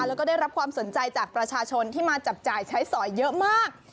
แล้วก็ได้รับความสนใจจากประชาชนที่มาจับจ่ายใช้สอยเยอะมาก